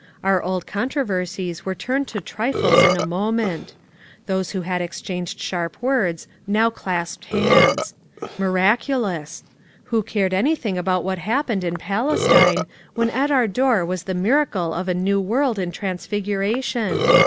Our old controversies were turned to trifles in a moment. Those who had exchanged sharp words now clasped hands. Miraculous I Who cared any thing about what happened in Palestine when at our door was the miracle of a New World in transfiguration?